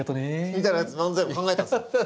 みたいなやつ漫才を考えたんですよ。